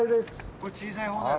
これ小さい方だよ。